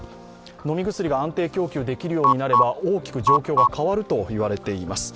飲み薬が安定供給できるようになれば大きく状況が変わるといわれています。